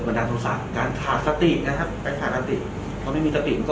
ปกป้องก็ออกมาทางพระมวลศาลทางค่ายกระทั้ง